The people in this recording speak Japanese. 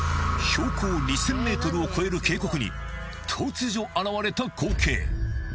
標高２０００ｍを超える渓谷に突如現れた光景